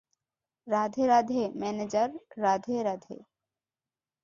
Radhe, Radhe, manager, Radhe, Radhe.